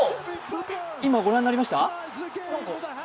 今、ご覧になりました？